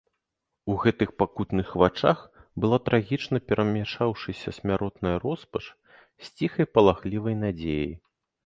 У гэтых пакутных вачах была трагічна перамяшаўшыся смяротная роспач з ціхай палахлівай надзеяй.